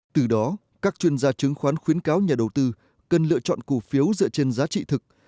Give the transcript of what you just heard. từ đó các chuyên gia chứng khoán khuyến cáo nhà đầu tư cần lựa chọn cổ phiếu dựa trên giá trị thực